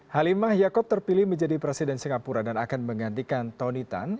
halimah yaakob terpilih menjadi presiden singapura dan akan menggantikan tony tan